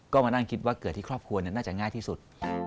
ก็มานั่งคิดว่าเกิดที่ครอบครัวน่าจะง่ายที่สุด